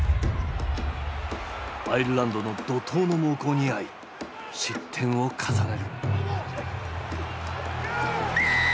アイルランドの怒とうの猛攻に遭い失点を重ねる。